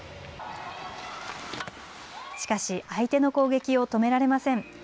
しかし相手の攻撃を止められません。